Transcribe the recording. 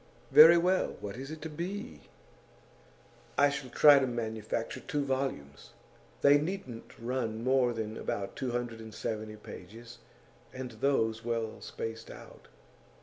'Very well. What is it to be?' 'I shall try to manufacture two volumes. They needn't run to more than about two hundred and seventy pages, and those well spaced out.